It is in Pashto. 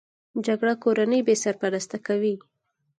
جګړه کورنۍ بې سرپرسته کوي